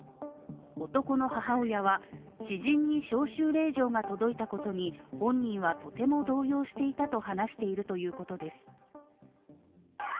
男の母親は、知人に招集令状が届いたことに本人はとても動揺していたと話しているということです。